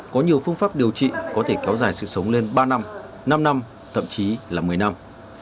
có nhiều phương pháp điều trị có thể kéo dài sự sống lên ba năm năm thậm chí là một mươi năm